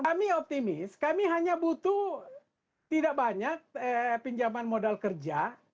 kami optimis kami hanya butuh tidak banyak pinjaman modal kerja